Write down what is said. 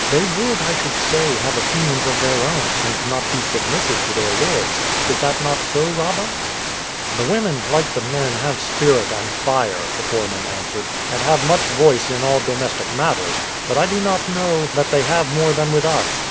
They would, I should say, have opinions of their own, and not be submissive to their lords; is that not so, Rabah?" "The women, like the men, have spirit and fire," the foreman answered, "and have much voice in all domestic matters; but I do not know that they have more than with us.